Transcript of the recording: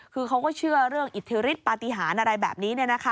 คือเขาก็เชื่อเรื่องอิทธิฤทธิปฏิหารอะไรแบบนี้